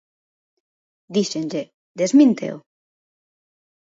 Díxenlle: desmínteo!